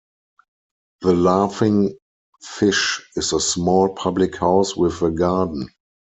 "The Laughing Fish" is a small public house with a garden.